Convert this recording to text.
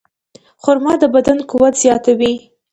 خرما د بدن قوت زیاتوي.